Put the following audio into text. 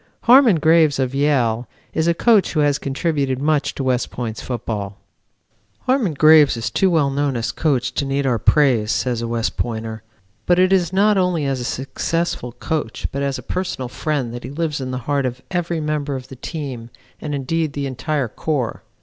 Harmon Graves of Yale is a coach who has contributed much to West Point's football. "Harmon Graves is too well known now as coach to need our praise," says a West Pointer, "but it is not only as a successful coach, but as a personal friend that he lives in the heart of every member of the team and indeed the entire corps.